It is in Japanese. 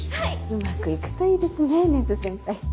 うまく行くといいですね根津先輩。